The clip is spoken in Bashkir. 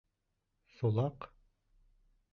— Сулаҡ?